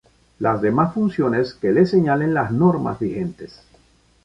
Las demás funciones que le señalen las normas vigentes.